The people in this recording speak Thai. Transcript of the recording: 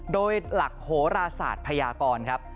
โดยหลักโหราศาสตร์พยากรครับ